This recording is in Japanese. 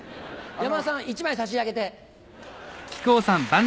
山田さん１枚差し上げて。